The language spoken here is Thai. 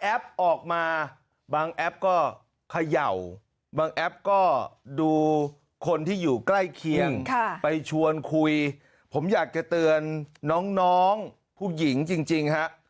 แอปออกมาบางแอปก็เขย่าบางแอปก็ดูคนที่อยู่ใกล้เคียงไปชวนคุยผมอยากจะเตือนน้องผู้หญิงจริงฮะ